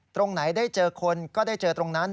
ตรงไหนได้เจอคนก็ได้เจอตรงนั้น